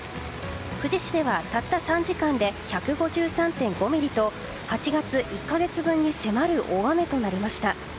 富士市ではたった３時間で１５３．５ミリと８月１か月分に迫る大雨となりました。